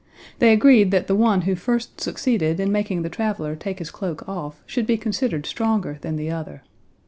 They agreed that the one who first succeeded in making the traveler take his cloak off should be considered stronger than the other.